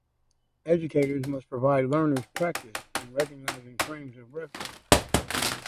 Educators must provide learners practice in recognizing frames of reference.